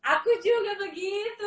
aku juga begitu